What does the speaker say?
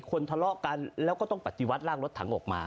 คนทะเลาะกันแล้วก็ต้องปฏิวัติร่างรถถังออกมา